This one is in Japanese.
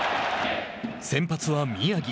先発は宮城。